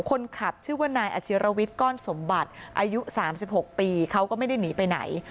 คนขับชื่อว่านายอาชิรวิทย์ก้อนสมบัติอายุ๓๖ปีเขาก็ไม่ได้หนีไปไหน